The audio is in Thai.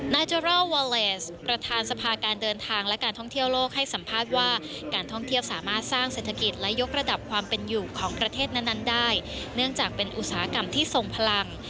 เจอรอลวาเวสประธานสภาการเดินทางและการท่องเที่ยวโลกให้สัมภาษณ์ว่าการท่องเที่ยวสามารถสร้างเศรษฐกิจและยกระดับความเป็นอยู่ของประเทศนั้นได้เนื่องจากเป็นอุตสาหกรรมที่ทรงพลัง